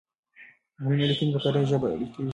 علمي ليکنې په کره ژبه کيږي.